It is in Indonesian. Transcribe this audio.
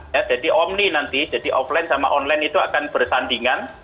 ya jadi omni nanti jadi offline sama online itu akan bersandingan